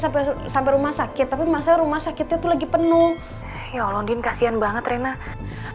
sampai sampai rumah sakit tapi masa rumah sakitnya tuh lagi penuh ya allah nordin kasihan banget renang